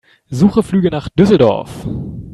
Suche Flüge nach Düsseldorf.